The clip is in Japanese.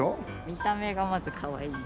見た目がまずかわいい。